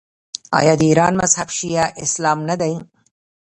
آیا د ایران مذهب شیعه اسلام نه دی؟